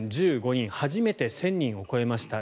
初めて１０００人を超えました。